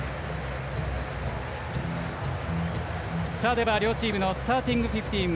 では両チームのスターティングフィフティーン。